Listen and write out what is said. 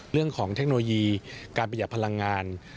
เรื่องของเทคโนโลยีการประหยัดพลังงาน